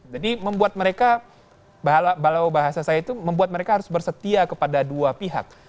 jadi membuat mereka bahasa saya itu membuat mereka harus bersetia kepada dua pihak